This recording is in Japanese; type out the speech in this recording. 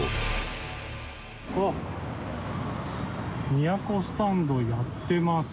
「都スタンドやってます」